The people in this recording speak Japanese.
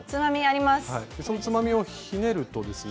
そのつまみをひねるとですね。